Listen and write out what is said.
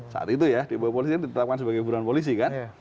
saat itu ya dpo itu ditetapkan sebagai buruan polisi kan